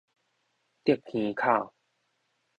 竹坑口